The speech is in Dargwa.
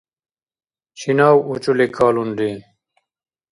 Чинав учӀули калунри?